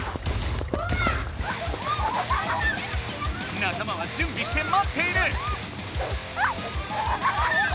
仲間は準備して待っている！